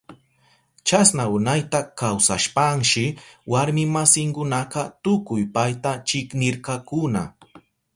Chasna unayta kawsashpanshi warmi masinkunaka tukuy payta chiknirkakuna.